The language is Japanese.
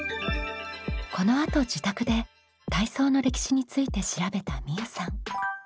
このあと自宅で体操の歴史について調べたみうさん。